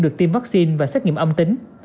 được tiêm vaccine và xét nghiệm âm tính